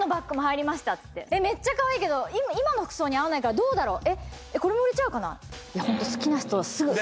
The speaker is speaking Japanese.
めっちゃかわいいけど今の服装に合わないからどうだろう？